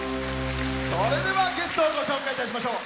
それではゲストをご紹介いたしましょう。